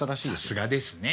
さすがですね。